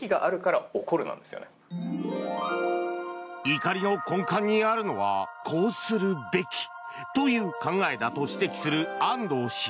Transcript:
怒りの根幹にあるのはこうするべきという考えだと指摘する安藤氏。